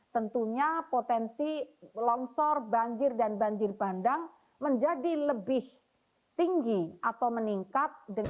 tentunya potensi longsor banjir dan banjir bandang menjadi lebih tinggi atau meningkat